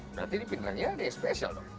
berarti dipindahkan ya ada yang spesial dong